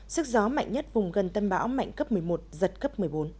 sức gió mạnh nhất vùng gần tâm bão mạnh cấp một mươi một giật cấp một mươi bốn